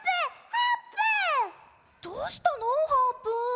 あーぷん。